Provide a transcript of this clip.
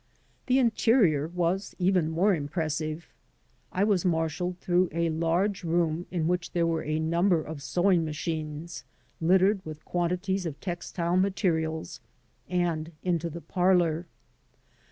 The interior was even more impressive. I was mar shaled through a large room in which there were a number of sewing machines littered with quantities of textile materials, and into the parlor.